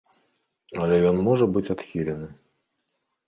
Але ён можа быць адхілены.